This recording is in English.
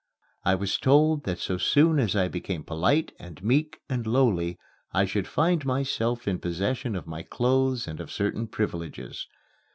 I was told that so soon as I became polite and meek and lowly I should find myself in possession of my clothes and of certain privileges.